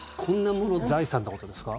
財産ってことですか？